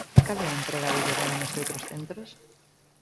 ¿Cal é a empregabilidade nos outros centros?